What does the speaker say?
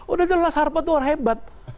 udah jelas harpet itu orang hebat